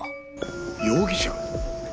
容疑者？